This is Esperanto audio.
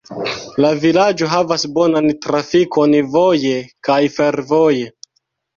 La vilaĝo havas bonan trafikon voje kaj fervoje.